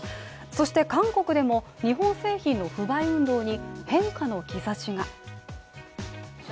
そして韓国でも、日本製品の不買運動に変化の兆しが。